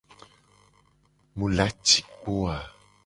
Mu la ci kpo o a?